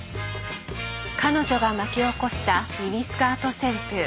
彼女が巻き起こしたミニスカート旋風。